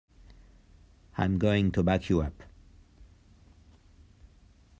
I’m going to back you up.